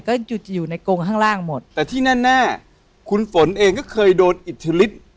ก็จู่จะอยู่ในกงข้างล่างหมดแต่ที่แน่แน่คุณฝนเองก็เคยโดนอิทธิฤทธิ์